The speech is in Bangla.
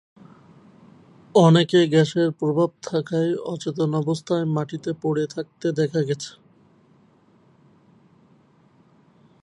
অনেকে গ্যাসের প্রভাব থাকায় অচেতন অবস্থায় মাটিতে পড়ে থাকতে দেখা গেছে।